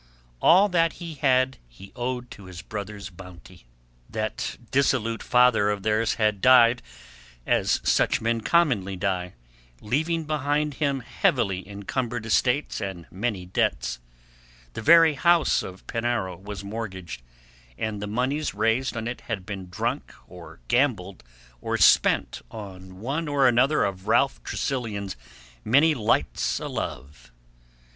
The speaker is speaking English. All that he had he owed to his brother's bounty. That dissolute father of theirs had died as such men commonly die, leaving behind him heavily encumbered estates and many debts; the very house of Penarrow was mortgaged, and the moneys raised on it had been drunk, or gambled, or spent on one or another of Ralph Tressilian's many lights o' love.